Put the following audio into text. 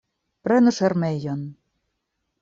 Prenu ŝirmejon!